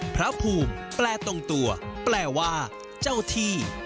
พระภูมิแปลตรงตัวแปลว่าเจ้าที่